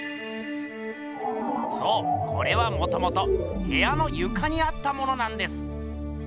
そうこれはもともとへやのゆかにあったものなんです。